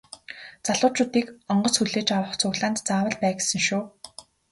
Залуучуудыг онгоц хүлээж авах цуглаанд заавал бай гэсэн шүү.